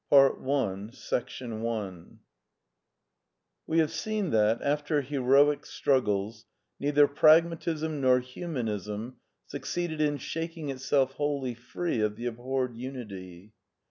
VI THE NEW EEALISM We have seen that, after heroic struggles, neither Pragma tism nor Humanism succeeded in shaking itself wholly free of the abhorred unity.